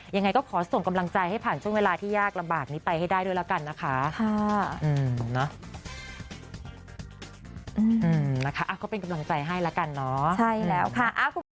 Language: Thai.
ยังไงก็ขอส่งกำลังใจให้ผ่านช่วงเวลาที่ยากลำบากนี้ไปให้ได้ด้วยแล้วกันนะคะนะคะก็เป็นกำลังใจให้แล้วกันเนาะ